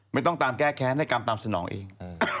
ไม่ต้องตามแก้แค้นให้กรรมตามสนองเอง